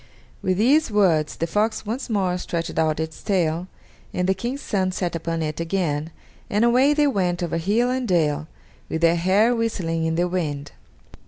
With these words the fox once more stretched out its tail, and the King's son sat upon it again, and away they went over hill and dale, with their hair whistling in the wind.